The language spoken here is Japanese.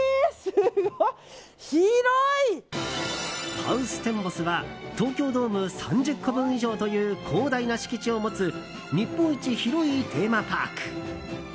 ハウステンボスは東京ドーム３０個分以上という広大な敷地を持つ日本一広いテーマパーク。